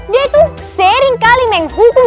dia tuh sering kali menghukum